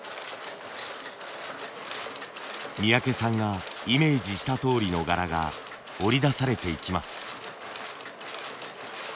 三宅さんがイメージしたとおりの柄が織り出されていきます。